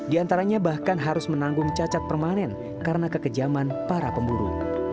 di antaranya bahkan harus menanggung cacat permanen karena kekejaman para pemburu